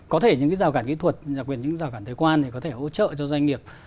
có thể những cái rào cản kỹ thuật những cái rào cản thuế quan thì có thể hỗ trợ cho doanh nghiệp